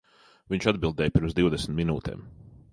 Viņš atbildēja pirms divdesmit minūtēm.